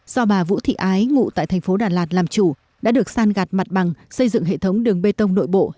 do bà vũ thị ái ngụ tại thành phố đà lạt làm chủ đã được san gạt mặt bằng xây dựng hệ thống đường bê tông nội bộ